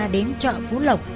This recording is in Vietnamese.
đến chợ phú lộc